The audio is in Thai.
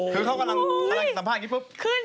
คือเขากำลังทำสัมภาษณ์อย่างนี้พรึ่ง